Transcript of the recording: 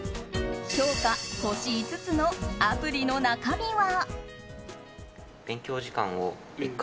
評価星５つのアプリの中身は。